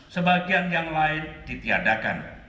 sebagian yang lain ditiadakan